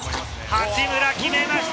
八村が決めました。